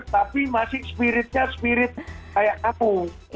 tapi masih spiritnya spirit kayak aku